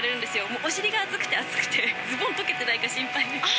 もうお尻が熱くて熱くてズボン溶けてないか心配で。